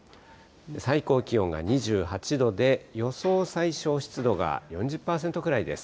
最高気温が２８度で、予想最小湿度が４０％くらいです。